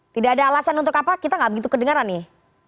tidak ada alasan untuk apa kita nggak begitu kedengaran nih